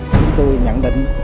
chúng tôi nhận định